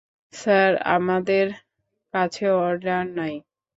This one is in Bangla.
স্যার, আমাদের কাছে অর্ডার নাই।